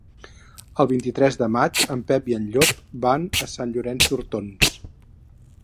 El vint-i-tres de maig en Pep i en Llop van a Sant Llorenç d'Hortons.